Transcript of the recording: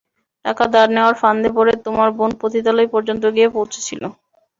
টাকা ধার নেওয়ার ফাঁন্দে পরে তোমার বোন পতিতালয় পর্যন্ত গিয়ে পৌঁছে ছিলো।